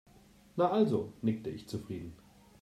"Na also", nickte ich zufrieden.